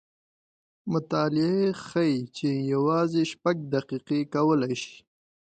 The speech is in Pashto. مطالعې ښیې چې یوازې شپږ دقیقې کولی شي